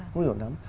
không hiểu lắm